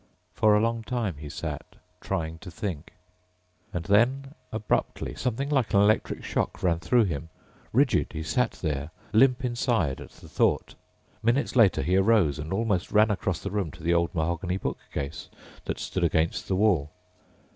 For a long time he sat, trying to think. And then, abruptly, something like an electric shock ran through him. Rigid, he sat there, limp inside at the thought. Minutes later he arose and almost ran across the room to the old mahogany bookcase that stood against the wall.